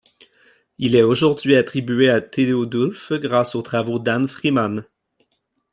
Il est aujourd'hui attribué à Théodulfe, grâce aux travaux d'Ann Freeman.